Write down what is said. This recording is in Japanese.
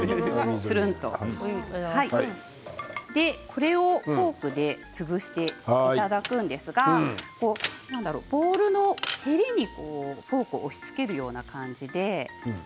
これをフォークで潰していただくんですが何だろう、ボウルのへりにフォークを押しつけるような感じで。